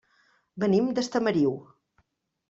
Venim d'Estamariu.